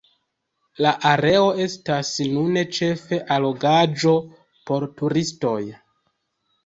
La areo estas nune ĉefe allogaĵo por turistoj.